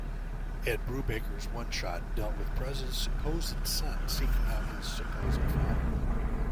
Ed Brubaker's one-shot dealt with Prez's supposed son seeking out his supposed father.